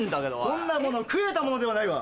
こんなもの食えたものではないわ！